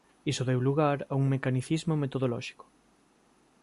Iso deu lugar a un mecanicismo metodolóxico.